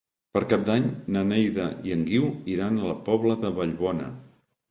Per Cap d'Any na Neida i en Guiu iran a la Pobla de Vallbona.